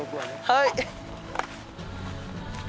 はい！